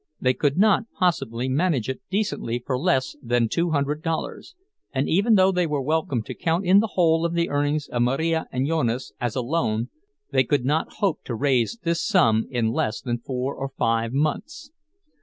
They could not possibly manage it decently for less than two hundred dollars, and even though they were welcome to count in the whole of the earnings of Marija and Jonas, as a loan, they could not hope to raise this sum in less than four or five months.